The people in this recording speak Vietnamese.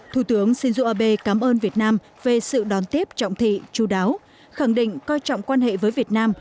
thủ tướng shinzo abe cảm ơn việt nam về sự đón tiếp trọng thị chú đáo khẳng định coi trọng quan hệ với việt nam